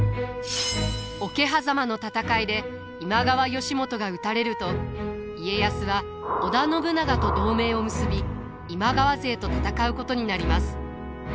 桶狭間の戦いで今川義元が討たれると家康は織田信長と同盟を結び今川勢と戦うことになります。